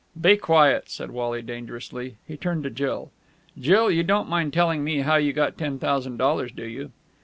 "Be quiet!" said Wally dangerously. He turned to Jill. "Jill, you don't mind telling me how you got ten thousand dollars, do you?"